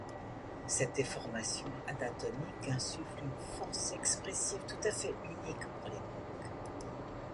Cette déformation anatomique insuffle une force expressive tout à fait unique pour l'époque.